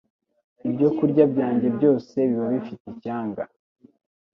Ibyokurya byanjye byose biba bifite icyanga.